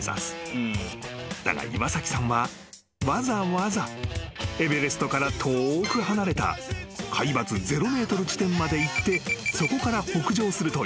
［だが岩崎さんはわざわざエベレストから遠く離れた海抜０ｍ地点まで行ってそこから北上するという］